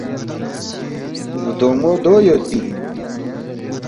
”بدون٘و دو یودپی اِن